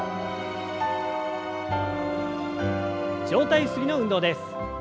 上体ゆすりの運動です。